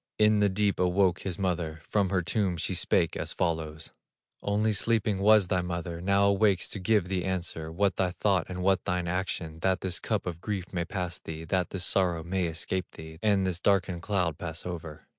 In the deep awoke his mother, From her tomb she spake as follows: "Only sleeping was thy mother, Now awakes to give thee answer, What thy thought and what thine action, That this cup of grief may pass thee, That this sorrow may escape thee, And this darkened cloud pass over.